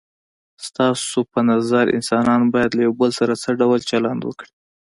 ستاسو په نظر انسانان باید له یو بل سره څه ډول چلند وکړي؟